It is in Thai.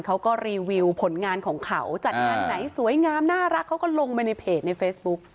เขาก็รีวิวผลงานของเขาจัดงานไหนสวยงามน่ารักเขาก็ลงไปในเพจในเฟซบุ๊ก